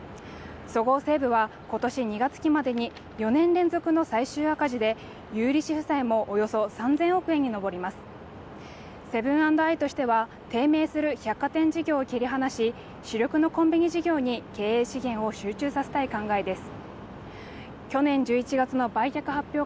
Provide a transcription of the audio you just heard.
そごう・西武は今年２月期までに４年連続の最終赤字で有利子負債もおよそ３０００億円に上りますセブン＆アイとしては低迷する百貨店事業を切り離し主力のコンビニ事業に経営資源を集中させたい考えです